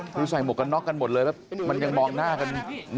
คือใส่หมวกกันน็อกกันหมดเลยแล้วมันยังมองหน้ากัน